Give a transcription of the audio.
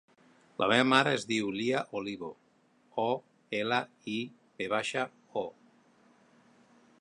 La meva mare es diu Leah Olivo: o, ela, i, ve baixa, o.